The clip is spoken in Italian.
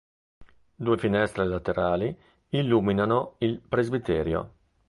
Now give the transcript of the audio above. Due finestre laterali illuminano il presbiterio.